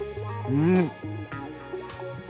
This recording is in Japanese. うん。